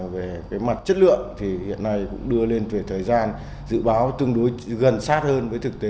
về mặt chất lượng thì hiện nay cũng đưa lên về thời gian dự báo tương đối gần sát hơn với thực tế